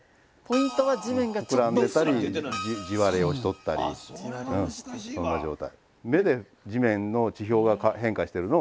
膨らんでたり地割れをしとったりそんな状態。